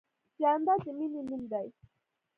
جانداد د مینې نوم دی.